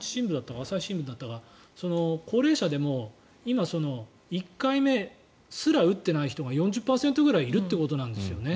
朝日新聞だったか高齢者でも今、１回目すら打ってない人が４０％ぐらいいるということなんですよね。